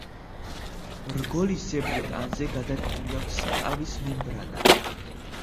რგოლისებრ ტანზე გადაკრული აქვს ტყავის მემბრანა.